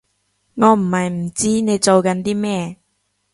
我唔係唔知你做緊啲咩